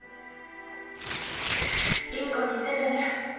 いい子にしててね。